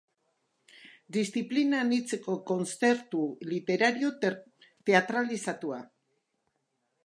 Diziplina anitzeko kontzertu literario teatralizatua.